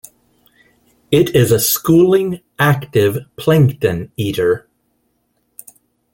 It is a schooling, active, plankton eater.